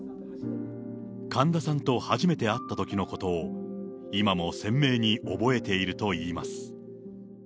神田さんと初めて会ったときのことを今も鮮明に覚えているといいます。